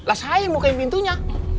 lah saim buka pintunya